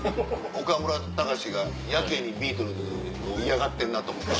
岡村隆史がやけにビートルズを嫌がってんなと思って。